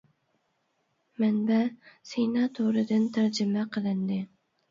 مەنبە : سىنا تورىدىن تەرجىمە قىلىندى.